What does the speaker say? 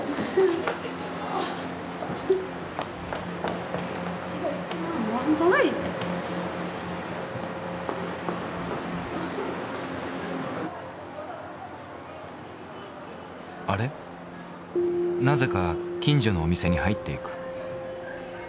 なぜか近所のお店に入っていく。